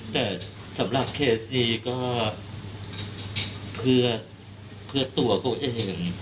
แต่สำหรับเคสนี้ก็เพื่อตัวเขาเอง